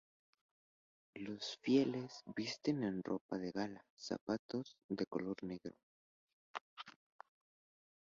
Los fieles visten en ropa de gala, zapatos de color negro.